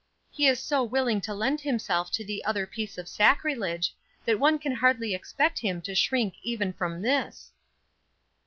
"He is so willing to lend himself to the other piece of sacrilege, that one can hardly expect him to shrink even from this."